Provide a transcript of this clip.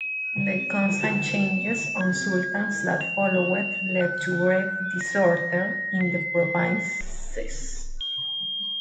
The constant changes of sultans that followed led to great disorder in the provinces.